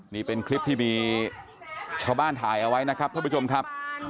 นี่เป็นคลิปที่มีชาวบ้านถ่ายเอาไว้นะครับท่านผู้ชมครับ